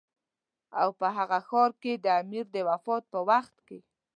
او په هغه ښار کې د امیر د وفات په وخت کې.